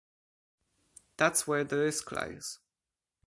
That's where the risk lies.